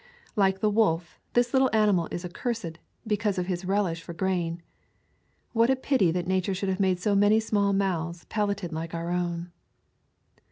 Like the wolf, this little animal is accursed, because of his relish for grain. What a pity that Nature should have made so many small mouths palated like our own!